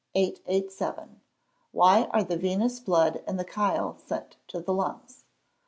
_Why are the venous blood and the chyle sent to the lungs?